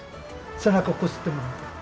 背中こすってもらって。